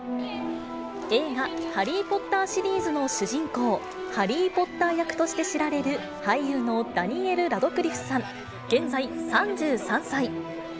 映画、ハリー・ポッターシリーズの主人公、ハリー・ポッター役として知られる俳優のダニエル・ラドクリフさん、現在３３歳。